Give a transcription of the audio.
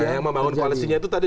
yang membangun polisinya itu tadi